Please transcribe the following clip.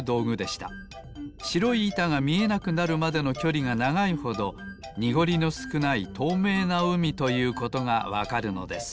しろいいたがみえなくなるまでのきょりがながいほどにごりのすくないとうめいなうみということがわかるのです。